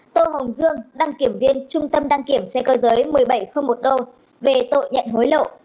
tô hồng dương đăng kiểm viên trung tâm đăng kiểm xe cơ giới một nghìn bảy trăm linh một đô về tội nhận hối lộ